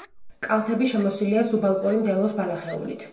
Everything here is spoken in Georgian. კალთები შემოსილია სუბალპური მდელოს ბალახეულით.